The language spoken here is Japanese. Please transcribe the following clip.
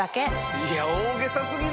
いや大げさ過ぎるわ！